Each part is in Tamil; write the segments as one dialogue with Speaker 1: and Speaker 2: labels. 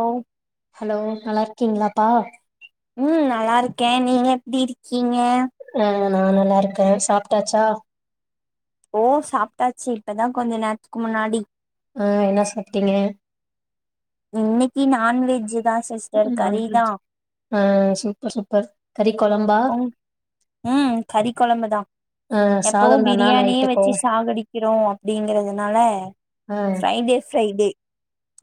Speaker 1: ஓ
Speaker 2: ஹலோ நல்லாருக்கீங்ளாப்பா
Speaker 1: உம் நல்லாருக்கே நீங்க எப்படிருக்கீங்க
Speaker 2: ஆ நா நல்லாருக்கே சாப்ட்டாச்சா
Speaker 1: ஓ சாப்ட்டாச்சு இப்பதா கொஞ்ச நேரத்துக்கு முன்னாடி
Speaker 2: ஆ என்ன சாப்ட்டீங்க
Speaker 1: இன்னைக்கு நான் வெஜூ
Speaker 2: ஆ ஆ சூப்பர் சூப்பர் கறி கொழம்பா
Speaker 1: உம் ம் கறி கொழம்புதா
Speaker 2: ஆ
Speaker 1: எப்பவு
Speaker 2: சாதம் தானா
Speaker 1: பிரியாணியே
Speaker 2: நைட்டுக்கு
Speaker 1: வச்சு சாகடிக்கிறோ அப்படிங்றதுனால
Speaker 2: ஆ
Speaker 1: ஃபிரைடே ஃபிரைடே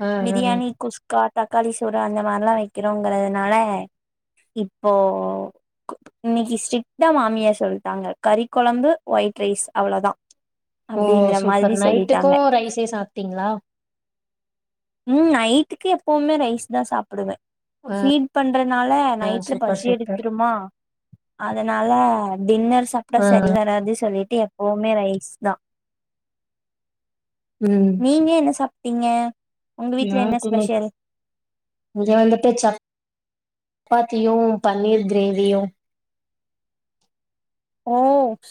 Speaker 2: ஆ ஆ
Speaker 1: பிரியாணி குஸ்கா தக்காளி சோறு அந்த மாரிலா வைக்கிறோங்கிறதுனால இப்போ இன்னைக்கு ஸ்ட்ரிக்டா மாமியார் சொல்ட்டாங்க கறி கொழம்பு ஒய்ட் ரைஸ் அவ்வளோதா
Speaker 2: ஓ சூப்பர் நைட்டுக்கு ரைஸே சாப்ட்டீங்ளா
Speaker 1: ம் நைட்டுக்கு எப்பவுமே ரைஸ்தா சாப்புடுவே
Speaker 2: ஆ
Speaker 1: ஹீட் பண்றனால
Speaker 2: ஆ
Speaker 1: நைட்ல
Speaker 2: சூப்பர்
Speaker 1: பசி
Speaker 2: சூப்பர்
Speaker 1: எடுத்துருமா அதனால டின்னர் சாப்ட்டா
Speaker 2: ஆ
Speaker 1: சரி வராது சொல்லிட்டு எப்பவுமே ரைஸ்தா நீங்க என்ன சாப்ட்டீங்க உங்க வீட்ல என்ன
Speaker 2: நேரத்துல
Speaker 1: ஸ்பெஷல்
Speaker 2: இங்க வந்துட்டு சப் பாத்தியு பன்னீர் கிரேவியு
Speaker 1: ஓ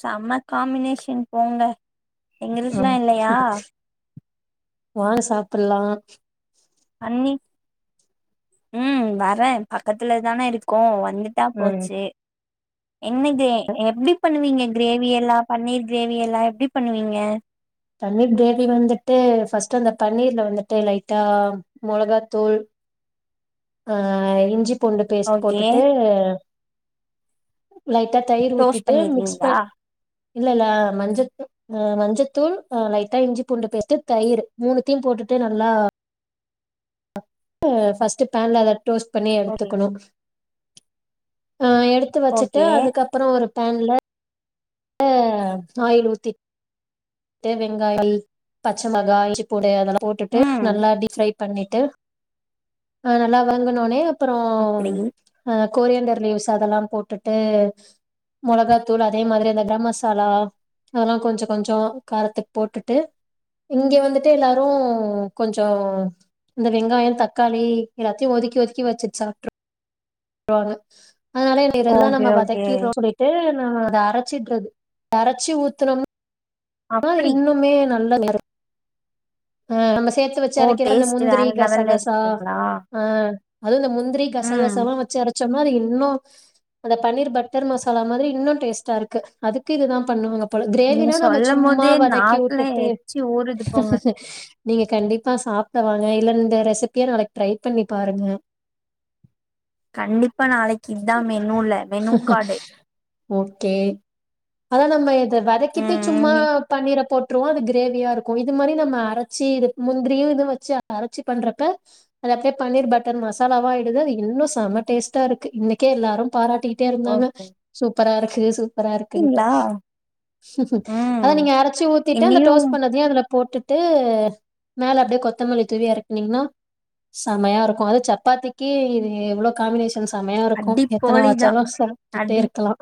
Speaker 1: செம்ம காம்மினேஷன் போங்க
Speaker 2: ஆ
Speaker 1: எங்ளுக்லா இல்லயா
Speaker 2: வாங்க சாப்பிட்லா
Speaker 1: அம்மி ம் வரே பக்கதுல தானே இருக்கோ வந்துட்டா
Speaker 2: ம்
Speaker 1: போச்சி என்னது எப்டி பண்ணுவீங்க கிரேவியெல்லா பன்னீர் கிரேவியெல்லா எப்டி பண்ணுவீங்க
Speaker 2: பன்னீர் கிரேவி வந்துட்டு ஃபர்ஸ்ட்டு அந்த தன்னீர்ல வந்துட்டு லைட்டா மொளகா தூள் ஆஹ் இஞ்சி பூண்டு பேஸ்ட்
Speaker 1: ஓகே
Speaker 2: போட்டுட்டு லைட்டா தயிர்
Speaker 1: டோஸ்ட்
Speaker 2: ஊத்திட்டு மிக்ஸ்
Speaker 1: பண்ணிருவீங்களா
Speaker 2: பண் இல்லல மஞ்சத்தூள் அ மஞ்சத்தூள் அ லைட்டா இஞ்சி பூண்டு பேஸ்ட்டு தயிரு மூனுதியு போட் டு நல்லா ஃபர்ஸ்ட்டு பேன்ல அத டோஸ்ட் பண்ணி
Speaker 1: ஓகே
Speaker 2: எடுத்துக்கனும் ஆ எடுத்து வச்சிட்டு
Speaker 1: ஓகே
Speaker 2: அதுக்கப்றோ ஒரு பேன்ல ஆ ஆயில் ஊத்தி [unintelligible] பச்ச மொளகா இஞ்சி பூண்டு அதெல்லா போட்டுட்டு
Speaker 1: ம்
Speaker 2: நல்லா அப்டி ஃப்ரை பண்ணிட்டு நல்லா வனங்னவுனே அப்பறோ
Speaker 1: அப்டி
Speaker 2: கொரியன்டர் லீவ்ஸ் அதெல்லா போட்டுட்டு மொளகாத்தூள் அதே மாதிரி அந்த கர மசாலா அதெல்லா கொஞ்சோ கொஞ்சோ காரத்துக்கு போட்டுட்டு இங்க வந்துட்டு எல்லாரு கொஞ்சோ இந்த வெங்காயம் தக்காளி எல்லாத்தையு ஒதுக்கி ஒதுக்கி வச்சிட் சாப்ட்ருவாங்க அதனால இந்த இதெல்லா
Speaker 1: ஓகே
Speaker 2: நம்ப
Speaker 1: ஓகே
Speaker 2: வதக்கிர்ரோனு சொல்லிட்டு அதா அத அரச்சிட்றது அரச்சி ஊத்துனம்னா
Speaker 1: அப்படி
Speaker 2: இன்னுமே நல்ல நேரம் சேத்து வச்சி
Speaker 1: ஓ
Speaker 2: அரக்கிற அந்த
Speaker 1: டேஸ்ட் வேற
Speaker 2: முந்திரி
Speaker 1: லெவல்ல
Speaker 2: கசகசா
Speaker 1: இருக்குங்களா
Speaker 2: ஆ அதுவு இந்த முந்திரி
Speaker 1: ம்
Speaker 2: கசகசாலா வச்சி அரச்சம்னா அது இன்னோ அந்த பன்னீர் பட்டர் மசாலா மாதிரி இன்னோ டேஸ்ட்டா இருக்கு அதுக்கு இதுதா பண்ணுவாங்க போல
Speaker 1: நீங்க
Speaker 2: க்ரேவினா நம்ம
Speaker 1: சொல்லும்
Speaker 2: சும்மா
Speaker 1: போதே
Speaker 2: வதக்கி
Speaker 1: நாக்குல
Speaker 2: உட்டுட்டு
Speaker 1: எச்சி ஊறுது போங்க
Speaker 2: நீங்க கண்டிப்பா சாப்பலா இல்ல இந்த ரெசிபிய நாளைக் ட்ரை பண்ணி பாருங்க
Speaker 1: கண்டிப்பா நாளைக்கி இதா மெனுல மெனு கார்டு
Speaker 2: ஓகே அதா நம்ப இத வதக்கிட்டு
Speaker 1: ம்
Speaker 2: சும்மா
Speaker 1: நீ
Speaker 2: பண்ணீர போட் ருவோ அது க்ரேவியா இருக்கு இது மாரி நம்ப அரச்சி இது முந்திரியு இத வச்சி அரச்சி பண்றப்ப [unintelligible] பன்னீர் பட்டர் மசாலாவா ஆயிடுது அது இன்னு செம டேஸ்ட்டா இருக்கு இன்னிக் கே எல்லாரு பாராட்டிகிட்டே இருந்தாங்க
Speaker 1: ஓகே
Speaker 2: சூப்பரா இருக்கு சூப் பரா இருக்குன்ட்டு
Speaker 1: ங்களா
Speaker 2: அத
Speaker 1: ம்
Speaker 2: நீங்க அரச்சி ஊத்திட்டு அந்த
Speaker 1: இனியும்
Speaker 2: டோஸ்ட் பண்ணதயு அதுல போட்டுட்டு மேல அப்டியே கொத்தமல்லி தூவி எரக்னீங்ன்னா செமையா இருக்கு அது சப்பாத்திக்கி இவ்ளோ காமினேஷன் செமையா இருக்கு
Speaker 1: அடி
Speaker 2: எத்தன
Speaker 1: போலி தா
Speaker 2: வச்சாலு சாப்ட்டுட்டே
Speaker 1: அடி
Speaker 2: இருக்கலா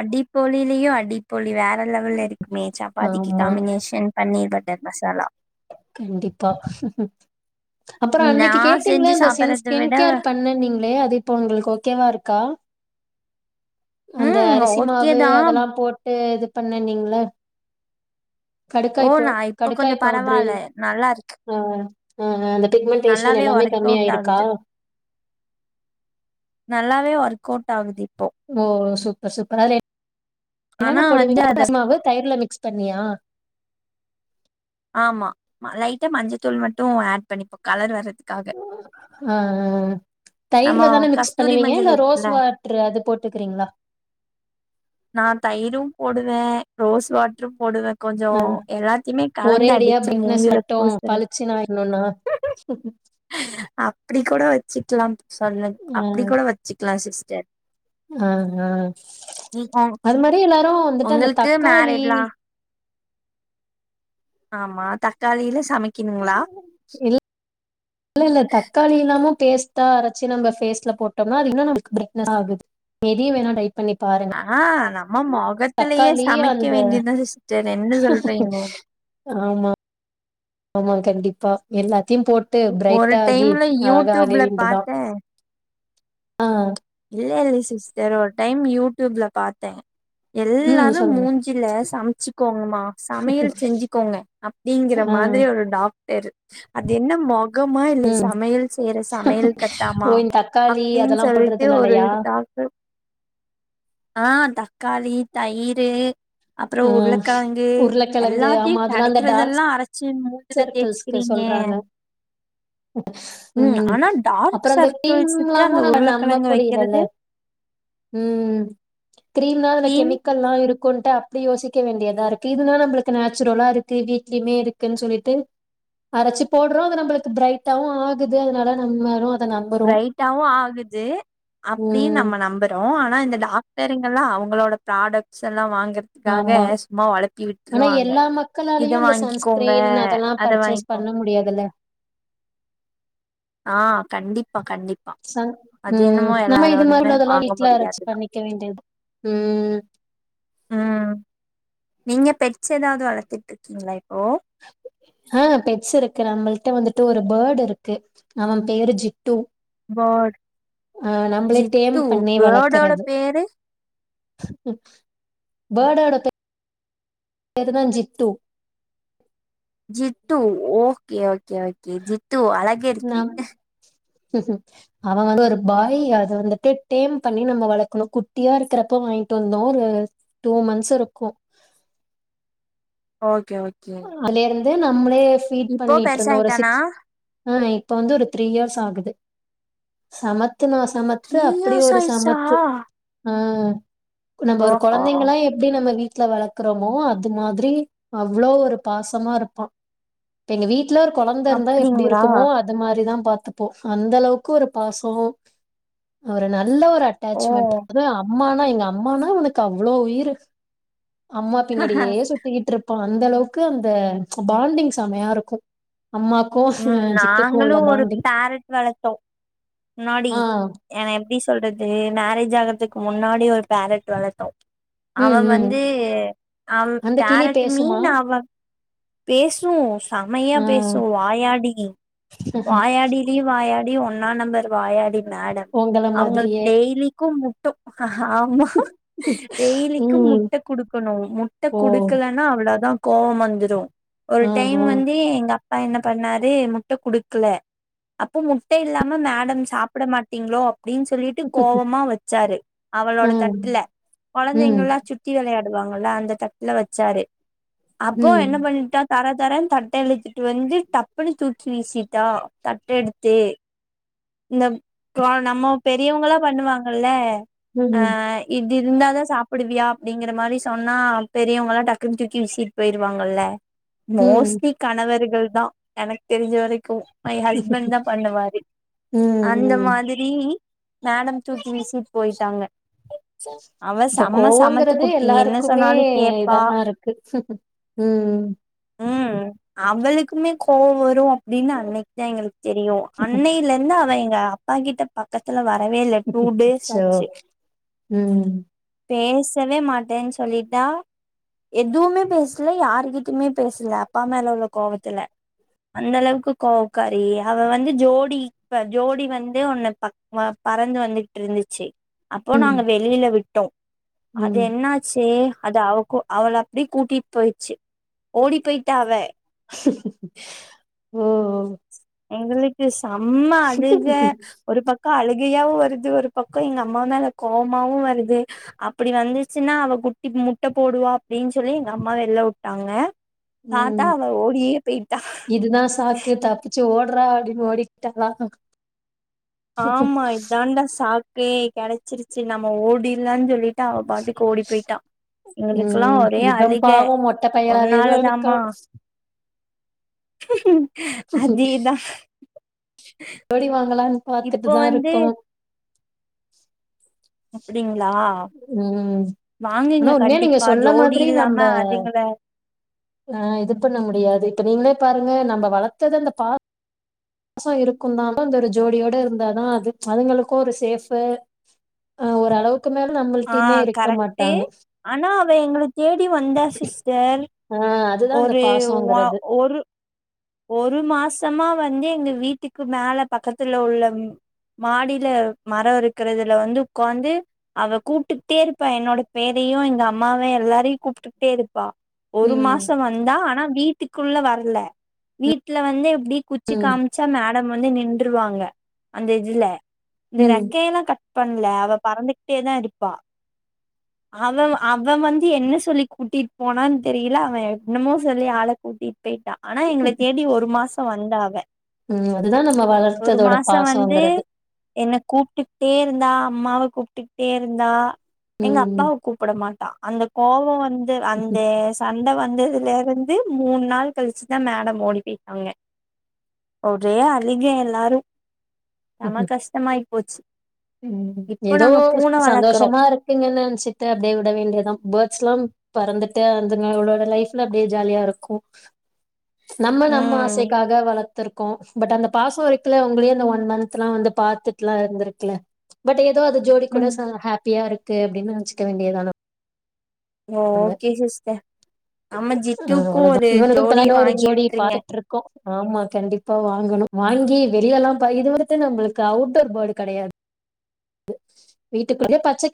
Speaker 1: அடி போலிலயு அடி போலி வே ற லெவல்ல இருக்குமே சப்பாதிக்கி
Speaker 2: ஆமா
Speaker 1: காமினேஷன் பன்னீர் பட்டர் மசாலா
Speaker 2: கண்டிப்பா அப்றோ அன்னக்கி
Speaker 1: நான்
Speaker 2: கேட்டீங்ள
Speaker 1: செஞ்சு
Speaker 2: இந்த ஸின்
Speaker 1: சாப்பிடறத
Speaker 2: ஸ்கின்
Speaker 1: விட
Speaker 2: கேர் பண்ணுனீங்ளே அது இப்போ ஒங்ளுக்கு ஓகேவா இருக்கா அந்த
Speaker 1: ம்
Speaker 2: அரிசி மாவு
Speaker 1: ஓகேதான்
Speaker 2: அதெல்லா போட்டு இது பண்ணனீங்ள
Speaker 1: ஓ
Speaker 2: கடுக்காய் போ
Speaker 1: நான் இப்ப
Speaker 2: கடுக்காய்
Speaker 1: கொஞ்சம்
Speaker 2: பவுட்ரு
Speaker 1: பரவாயில்ல நல்லா இருக்கு
Speaker 2: ஆ ஆ அந்த பிக்மெண்டேஷன்
Speaker 1: நல்லாவே
Speaker 2: எல்லாமே
Speaker 1: ஒர்க் அவுட்
Speaker 2: கம்மியாயிருக்கா
Speaker 1: ஆகுது நல்லாவே ஒர்க்கோட்டாகுது
Speaker 2: ஓ சூப்பர் சூப்பர் அதுல
Speaker 1: ஆனா
Speaker 2: என்னென்ன
Speaker 1: வந்து
Speaker 2: போடுவீங்க
Speaker 1: அத
Speaker 2: அரிசி மாவு தயிர்ல மிக்ஸ் பண்ணியா
Speaker 1: ஆமா லைட்டா மஞ்சத்தூள் மட்டு ஆட் பண்ணிப்போ கலர் வரது
Speaker 2: ஆஹ் ஆஹ்
Speaker 1: நம்ம
Speaker 2: தயிர்ல தான மிக்ஸ்
Speaker 1: கஸ்தூரி
Speaker 2: பண்ணுவீங்க
Speaker 1: மஞ்சள்
Speaker 2: இல்ல ரோஸ்
Speaker 1: இருக்குல்ல
Speaker 2: வாட்ரு அது போட்டுகுறீங்ளா
Speaker 1: நா தயிரும் போடுவே ரோஸ் வாட்ரு போடுவ கொஞ்சொ எல்லாத்தையுமே
Speaker 2: ஒரே
Speaker 1: கலந்து
Speaker 2: அடியா
Speaker 1: அடிச்சு
Speaker 2: பிரைட்னஸ்
Speaker 1: மூஞ்சில
Speaker 2: மட்டும்
Speaker 1: பூசற
Speaker 2: பளிச்சுன்னு ஆயிடணும்னா
Speaker 1: அப்டி கூட வச்சிக்லாம் சொல்லு அப்டி கூட வச்சிக்லா சிஸ்டர்
Speaker 2: ஆஹ் ஆஹ்
Speaker 1: நீ ஒ
Speaker 2: அது மாரி எல்லாரு வந்துட்டு அந்த
Speaker 1: உங்களுக்கு
Speaker 2: தக்காளி
Speaker 1: மேரிட்லா ஆமா தக்காளில சமைக்கணுங்களா
Speaker 2: இல் இல்லல்ல தக்காளி இல்லாம பேஸ்டா அரச்சு நம்ப ஃபேஸ்ல போட்டம்னா அது இன்னு நமக்கு ப்ரைட்னஸ் ஆகுது இதயு வேனா ட்ரை பண்ணி பாருங்க
Speaker 1: ஆஹ் நா ம்ம மொகத்துலயே
Speaker 2: தக்காளி
Speaker 1: சமக்க
Speaker 2: அந்த
Speaker 1: வேண்டியதான் சிஸ்டர் என்ன சொல்றீங்கோ
Speaker 2: ஆமா மா கண்டிப்பா எல்லாத் தியும் போட்டு
Speaker 1: ஒரு
Speaker 2: ப்ரைட்டாகி
Speaker 1: டைம்ல
Speaker 2: அழகாக
Speaker 1: யூடியூப்ல
Speaker 2: வேண்டிதான்
Speaker 1: பாத்தே
Speaker 2: ஆஹ்
Speaker 1: இல்ல இல்ல சிஸ்டர் ஒரு டைம் யூட்டூப்ல பாத்தே
Speaker 2: ம்
Speaker 1: எல்லாரும்
Speaker 2: சொல்லுங்க
Speaker 1: மூஞ்சில சம்ச்சுக்கோங்கமா சமையல் செஞ்சுக்கோங்க அப்டிங்கிற
Speaker 2: ஆ
Speaker 1: மாதிரி ஒரு டாக்டர் அது என்ன மொ கமா இல்ல சமையல் செய்ற சமையல்
Speaker 2: ஓ
Speaker 1: கட்டாமா
Speaker 2: இந்த தக்காளி
Speaker 1: அப்டின்
Speaker 2: அதெல்லா
Speaker 1: சொல்ட் டு ஒரு
Speaker 2: போடுறதுனாலயா
Speaker 1: டாக்ட்ரு ஆஹ் தக்காளி தயிரு அப்றோ
Speaker 2: ஆ
Speaker 1: உருளக்கெளங்கு
Speaker 2: உருளைக்கிழங்கு
Speaker 1: எல்லாத்யு
Speaker 2: ஆமா அதெல்லா அந்த டார்க்
Speaker 1: கெடக்கிறதெல்லா அரச்சு மூஞ்சில
Speaker 2: சர்க்கிள்ஸ்க்கு
Speaker 1: தேச்சுக்கிறீங்
Speaker 2: சொல்றாங்க ம்
Speaker 1: ஆனா டார்க்
Speaker 2: அப்றோ அந்த
Speaker 1: சர்க்கிள்ஸுக்கு அந்த
Speaker 2: டீம்ல்லாம நம நம்ப
Speaker 1: உருளக்கெழங்கு
Speaker 2: முடியலல்ல
Speaker 1: வைக்கிறது
Speaker 2: ம் க்ரீம்னா அதுல
Speaker 1: கிரீம்
Speaker 2: கெமிக்கல்லா இருக் ப்டி யோசிக்க வேண்டியதா இருக்கு இதுனா நம்பளுக்கு நேச்சுரலா ருக்கு வீட்லயுமே இருக்குன் சொல்லிட்டு அரச்சு போடுறோ அது நம்பளுக்கு ப்ரைட்டாவு ஆகுது அத்னால நம்மளு அத நம்புறோ
Speaker 1: ப்ரைட்டாவு ஆகுது அப்டின்
Speaker 2: ம்
Speaker 1: நம்ம நம்புறோ ஆனா இந்த டாக்டருங்கல்லா அவுங் களோட ப்ராடக்ட்ஸ் எல்லாம் வாங்கி க்க
Speaker 2: ஆமா
Speaker 1: சும்மா வொளப்பி
Speaker 2: ஆனா
Speaker 1: விட்டுருவாங்க
Speaker 2: எல்லா
Speaker 1: இத
Speaker 2: மக்களாலயு அந்த
Speaker 1: வாங்கிக்கோங்க
Speaker 2: சன்ஸ்கிரீன் அதெல்லா
Speaker 1: அத
Speaker 2: பர்ச்சேஸ்
Speaker 1: வாங்கி
Speaker 2: பண்ண முடியாதுல
Speaker 1: ஆஹ் கண்டிப்பா கண்டிப்
Speaker 2: ச உம் நம்ம இது மாதிரி உள்ளதெல்லாம்
Speaker 1: வாங்க
Speaker 2: வீட்டுல அரச்சு
Speaker 1: முடியாதுதா
Speaker 2: பண்ணிக்க வேண்டியத் உம்
Speaker 1: ம் நீங்க பெட்ஸ் ஏதாவது வளர்த்துட்டு இருக்கீங்களா இப்
Speaker 2: ஆஹ் பெட்ஸ் இருக்கு நம்மளிட்ட வந்துட்டு ஒரு பேர்டு இருக்கு அவன் பேரு ஜி
Speaker 1: பேர்ட்
Speaker 2: ஆஹ் நம்மளே டேம்
Speaker 1: ஜிட்டு
Speaker 2: பண்ணே
Speaker 1: பேர்டோட
Speaker 2: வளர்க்கறது
Speaker 1: பேரு
Speaker 2: பேர்ட்டோட பேர் வேதன Jittu
Speaker 1: Jittu okay okay okay Jittu அழக இருக்கு
Speaker 2: நம் அவன் வந்து ஒரு பாய் அதை வந்துட்டு டேம் பண்ணி நம்ம வளர்க்கணும் குட்டியா இருக்கிறப்போ வாங்கிட்டு வந்தோம் ஒரு டூ மந்த்ஸ் இருக்கும்
Speaker 1: ஓகே ஓ
Speaker 2: அதுல இருந்து நம்மளே ஃபீட்
Speaker 1: இப்போ
Speaker 2: பண்ணிட்டு இருந்தோம் ஒரு
Speaker 1: பெருசாயிட்டானா
Speaker 2: சிக்ஸ் ஆஹ இப்ப வந்து ஒரு த்ரீ இயர்ஸ் ஆகுது சமத் னா சமத்து
Speaker 1: த்ரீ
Speaker 2: அப்படி
Speaker 1: இயர்ஸ்
Speaker 2: ஒரு
Speaker 1: ஆயிடுச்சா
Speaker 2: சமத்து ஆஹ் நம்ம ஒரு
Speaker 1: ஓஹோ
Speaker 2: கொழந்தைகள்லாம் எப்படி நம்ம ட்ல வளர்க்கறோமோ அது மாதிரி அவ்வளோ ஒரு பாசமா இருப்பா எங்க வீட் டுல ஒரு கொழந்த இருந்தா எப்டி
Speaker 1: அப்படிங்களா
Speaker 2: இருக்குமோ அது மாரிதா பாத்தப்போ அந்த அளவுக்கு ஒரு பாசோ அவர நல் ல ஒரு
Speaker 1: ஓ
Speaker 2: அட்டாச்மெண்ட் அது அம்மானா எங்க அம்மானா அவ்னுக்கு அவ்வளோ உயிரு அம்மா பின்னாடியே சுத்திக்கிட்டு இருப்பா அந்த அளவுக்கு அந்த பாண்டிங் செமையா இருக்கு அம்மாக்கு
Speaker 1: உம்
Speaker 2: ஜிட்டுக்கு
Speaker 1: நாங்களு
Speaker 2: உள்ள
Speaker 1: ஒரு
Speaker 2: பாண்டிங்
Speaker 1: பேரட் வளத்தோ முன்னாடி
Speaker 2: ஆ
Speaker 1: ஏனா எப்டி சொல்றது மேரேஜ் ஆகறதுக்கு முன்னாடி ஒரு பேரட் வளத்தோ
Speaker 2: ம்
Speaker 1: அவன்
Speaker 2: ம்
Speaker 1: வந்து அவ
Speaker 2: அந்த கிளி
Speaker 1: பேரட்
Speaker 2: பேசுமா
Speaker 1: மீன் அவ பேசு செமையா
Speaker 2: ஆ
Speaker 1: பேசு வாயாடி வாயாடிலியு வாயா வாயாடி ஒன்னா நம்பர் வாயாடி மேடம்
Speaker 2: உங்கள
Speaker 1: அவ்ங்களுக்கு
Speaker 2: மாதிரியே
Speaker 1: டெய்லிக்கு முட்ட ஆமா டெய்லிக்கு
Speaker 2: ம்
Speaker 1: முட்ட குடுக்கணு முட்ட
Speaker 2: ஓ
Speaker 1: குடுக்கலன்னா அவ்வளோ தா கோவம் மந்துறு ஒரு
Speaker 2: ஆ
Speaker 1: டைம்
Speaker 2: ஆ
Speaker 1: வந்து எங்க அப்பா என்ன பண்ணாரு முட்ட குடுக்கல அப்போ முட்ட இல்லாம மேடம் சாப்ட மாட்டீங்ளோ அப்டின்னு சொல்லிட்டு கோபமா வச்சாரு அவளோட
Speaker 2: ஆ
Speaker 1: தட்டுல
Speaker 2: ம்
Speaker 1: கொழந்தைங்கல்லா சுத்தி விளையாட் டுவாங்கள அந்த தட்டுல வச்சாரு அப்போ
Speaker 2: ம்
Speaker 1: என்ன பண் தர தர தட்ட இழுத்துட்டு வந்து டப்புன்னு தூக்கி வீசிட்டா தட்ட எடுத்து இந்தப் ப நம்ம பெரியவங்களா பண்ணுவாங்கல்ல
Speaker 2: ம்
Speaker 1: ஆ
Speaker 2: ம்
Speaker 1: இது இருந்தாதா சாப்பிடுவியா அப்டிங்கற மாதிரி சொன்னா பெரியவங்கல்லா டக்குன்னு தூக்கி விசிட்டு போயிருவாங்கல்ல
Speaker 2: ம்
Speaker 1: மோஸ்ட்லி கணவர்கள்தா எனக்கு தெரிஞ்ச வரைக்கு மை ஹஸ்பண்ட் தா பண்ணுவாரு
Speaker 2: ம்
Speaker 1: அந்த
Speaker 2: ம்
Speaker 1: மாதிரி மேடம் தூக்கி வீசிட்டு போயிட்டாங்க அவ
Speaker 2: இப்ப
Speaker 1: செம்ம சமத்து
Speaker 2: கோவங்கிறது
Speaker 1: குட்டி என்ன
Speaker 2: எல்லாருக்குமே
Speaker 1: சொன்னாலு கேப்பா
Speaker 2: இதாதா இருக்கு உம்
Speaker 1: உம் அவளுக்குமே கோவம் வரு அப்டின்னு அன்னைக்கு தா எங்களுக்கு தெரியு அன்னையில இருந்து அவ எங்க அப்பா கிட்ட பக்கத்துல வர வரவே இல்ல டூ டேஸ் ஆச்சு
Speaker 2: உம்
Speaker 1: பேசவே மாட்டேன்னு சொல்லிட்டா எதுவுமே பேசல யாருகிட்டமே பேசல அப்பாமேல உள்ள கோவத்துல அந்த அளவுக்கு கோவக்காரி அவ வந்து ஜோடி இப்ப ஜோடி வந்து ஒன்னு ப ப பறந்து வந்துட்டு இருந்துச்சு அப்போ
Speaker 2: ம்.
Speaker 1: நாங்க வெளியில விட்டோ அது
Speaker 2: ம்.
Speaker 1: என்னாச்சு அது அவ அவள் அப்டியே கூட்டிட்டு போயிச்சு ஓடி போயிட்டா அவ
Speaker 2: ஓ ஓ
Speaker 1: எங்களுக்கு செம்ம அழுக ஒரு பக் அழுகையாவு வருது ஒரு பக்கம் எங்க அம்மா மேல கோவமாவு வருது அப்டி வந்துச்சுன்னா அவ குட்டி முட்ட போடுவா அப்டின்னு சொல்லி எங்க அம்மா வெள்ளவுட்டாங்க
Speaker 2: உம் இதுதா சாக்கு தப்பிச்சு ஓட் றா அப்டினு ஓடிட்டாளா
Speaker 1: ஆமா இதாண்டா சாக்கே கிடைச்சிருச்சு நம்ம ஓடிலான்னு சொல்லிட்டு அவ பாட்டுகு ஓடி போயிட்டா எங்களுக்கெல்லா
Speaker 2: ம்.
Speaker 1: ஒரே
Speaker 2: இவன்
Speaker 1: அழுக
Speaker 2: பாவம் மொட்டை பையனாவே தான்
Speaker 1: ஒன்னாலதாமா
Speaker 2: இருக்கான்.
Speaker 1: அதேதா
Speaker 2: ஜோடி வாங்கலான்னு
Speaker 1: இப்போ
Speaker 2: பாத்துட்டுதா
Speaker 1: வந்து
Speaker 2: இருக்கோ
Speaker 1: அப்டிங் களா
Speaker 2: ம்.
Speaker 1: வாங்குங்க
Speaker 2: ஆனா உண்மையா நீங்க
Speaker 1: கண்டிப்பா
Speaker 2: சொன்ன
Speaker 1: ஜோடி இல்லாம அதுங்கள
Speaker 2: ஆ இது பண்ண முடியாது இப்ப நீங்களே பாருங்க நம்ம வளத்தத அந்த பா பாசோ இருக்கு தா அந்த ஒரு ஜோடியோட இருந்தாதா அது அதுங்களுக்கு ஒரு சேஃப் ஆ ஓரளவு
Speaker 1: ஆ கரெக்ட்டு ஆனா அவ எங்கள தேடி வந்தா சிஸ்டர்
Speaker 2: ஆ அதுதா இந்த
Speaker 1: ஒரு ஒ
Speaker 2: பாசம்ங்கிறது
Speaker 1: ஒரு ஒரு மாசமா வந்து எங்க வீட்டுக்கு மேல பக்கத்துல உள்ள மாடியில மரம் இருக்கிறதுல வந்து உட்காந்து அவ கூப்பிட்டுக்கிட்டே இருப்பா என்னோட பேர என்னையு எங்க அம்மாவும் எல்லாரையும் கூப்பிட்டுகிட்டே இருப்ப ஒரு
Speaker 2: ம்.
Speaker 1: மாசம் வந்தா ஆனா வீட்டுக்குள்ள வரல வீட்டுல வந்து எப்படி குச்சி
Speaker 2: ம்.
Speaker 1: காமிச்சா மேடம் வந்து நின்றுவாங்க அந்த இதுல இந்த
Speaker 2: ம்.
Speaker 1: ரெக்கையெல்லாம் கட் பண்ணல அவ பறந்துகிட்டேதா இருப்பா அவ அவ வந்து என்ன சொல்லி கூட்டிட்டு போனான்னு தெரியல அவன் என்னமோ சொல்லி ஆள கூட்டிட்டு போயிட்டா ஆனா எங்கள தேடி ஒரு மாசம் வந்தா அவ
Speaker 2: ம். அதுதான் நம்ம
Speaker 1: ஒரு
Speaker 2: வளர்த்ததோட
Speaker 1: மாசம் வந்து
Speaker 2: பாசங்கிறது.
Speaker 1: என்ன கூப்பிட்டுகிட்டே இருந்தா அம்மாவ கூப்பிட்டுகிட்டே இருந்தா எங்க
Speaker 2: ம்.
Speaker 1: அப்பாவ கூப்பிட மாட்டா அந்த கோபம் வந்து வந்து அந்த சண்ட வந்ததுல இருந்து மூணு நாள் கழிச்சுதா மேடம் ஓடி போயிட்டாங்க ஒரே அழுக எல்லாரும் செம கஷ்டமாயி போச்சு
Speaker 2: உம்
Speaker 1: இப்போ
Speaker 2: ஏதோ
Speaker 1: நாங்க பூன வளக்குறோ
Speaker 2: சந்தோஷமா இருக்குங்கன்னு நினைச்சிட்டு அப்படியே விட வேண்டியதா பேர்ட்ஸ் எல்லாம் பறந்துட்டு அதூங்களோட லைஃப்ல அப்படியே ஜாலியா இருக்கும் நம்ம நம்ம
Speaker 1: ம்
Speaker 2: ஆசைக்காக வள த்துருக்கோம் பட் அந்த பாசம் இருக்குல உங்களே வந்து ஒன் மந்த் லாம் வந்து பாத்துட்டுலா இருந்திருக்குல பட் ஏதோ அது ஜோடி கூட
Speaker 1: ம்
Speaker 2: ஹாப்பியா இருக்கு அப்படின்னு நினைச்சிக்க வேண்டியதுதானே
Speaker 1: ஓகே சிஸ்டர்
Speaker 2: ஆ அவ்ளோதான் இவனுக்கும் இப்பதா ஒரு
Speaker 1: வாங்கி
Speaker 2: ஜோடி
Speaker 1: விட்ருங்க
Speaker 2: பாத்துட்டுருக்கோ ஆமா கண்டிப்பா வாங்கணும் வாங்கி வெளியெல்லாம் ப இதுவித்த நம்மளுக்கு அவுடோர் போர்டு கிடையாது வீட்டுக்குள்ளேயே பச்சைக்கு